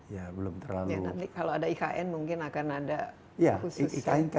kalau ada ikn mungkin akan ada